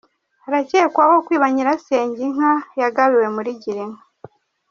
Arakekwaho kwiba Nyirasenge inka yagabiwe muri girinka